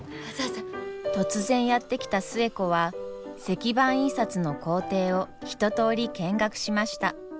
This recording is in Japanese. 突然やって来た寿恵子は石版印刷の工程を一とおり見学しました。